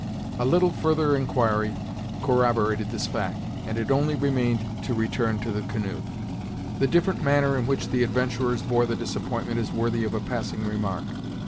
A little further inquiry corroborated this fact, and it only remained to return to the canoe. The different manner in which the adventurers bore the disappointment is worthy of a passing remark.